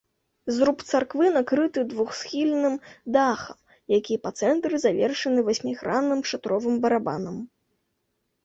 Зруб царквы накрыты двухсхільным дахам, які па цэнтры завершаны васьмігранным шатровым барабанам.